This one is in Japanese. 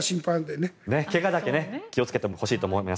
怪我だけ気をつけてほしいと思います。